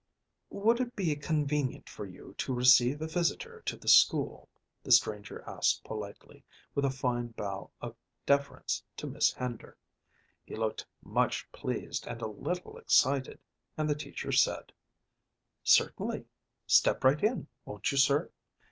"Would it be convenient for you to receive a visitor to the school?" the stranger asked politely, with a fine bow of deference to Miss Hender. He looked much pleased and a little excited, and the teacher said, "Certainly; step right in, won't you, sir?"